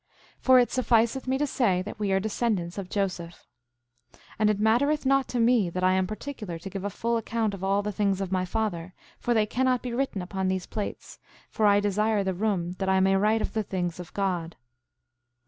6:2 For it sufficeth me to say that we are descendants of Joseph. 6:3 And it mattereth not to me that I am particular to give a full account of all the things of my father, for they cannot be written upon these plates, for I desire the room that I may write of the things of God.